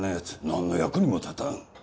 なんの役にも立たん。